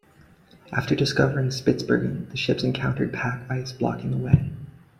After discovering Spitsbergen, the ships encountered pack ice blocking the way.